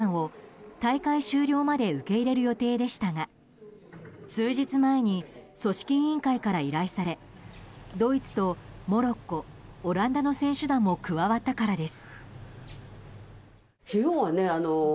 というのも、当初はフランス、イタリア、スペイン３か国の選手団を、大会終了まで受け入れる予定でしたが数日前に組織委員会から依頼されドイツとモロッコオランダの選手団も加わったからです。